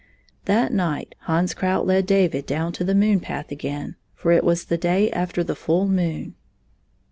That night Hans Krout led David down to the moon path again, for it was the day after the Ml moon.